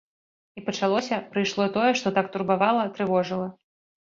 І пачалося, прыйшло тое, што так турбавала, трывожыла.